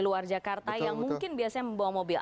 luar jakarta yang mungkin biasanya membawa mobil